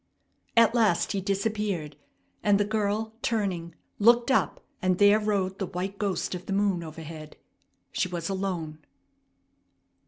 At last he disappeared; and the girl, turning, looked up, and there rode the white ghost of the moon overhead. She was alone.